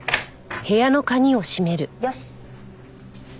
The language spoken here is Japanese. よし。